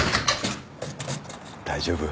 大丈夫？